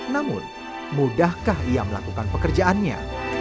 namun mudahkah ia melakukan pekerjaannya